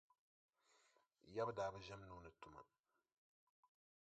Yaba daa bi ʒɛm nuu ni tuma.